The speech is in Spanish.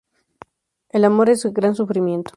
El amor es gran sufrimiento.